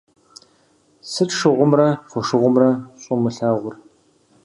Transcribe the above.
Сыт шыгъумрэ фошыгъумрэ щӀумылъагъур?